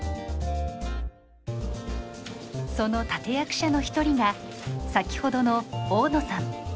その立役者の一人が先ほどの大野さん。